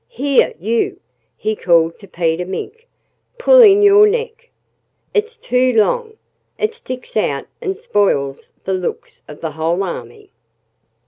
"Here, you!" he called to Peter Mink. "Pull in your neck! It's too long! It sticks out and spoils the looks of the whole army."